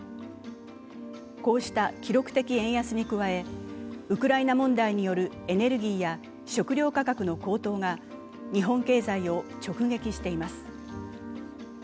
こうした記録的円安に加えウクライナ問題によるエネルギーや食糧価格の高騰が日本経済を直撃しています。